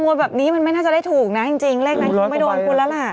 แบบนี้มันไม่น่าจะได้ถูกนะจริงเลขนั้นคงไม่โดนคุณแล้วล่ะ